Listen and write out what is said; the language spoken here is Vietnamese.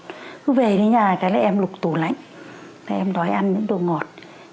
cứ về nhà là em lục tủ lãnh em đói ăn những đồ ngọt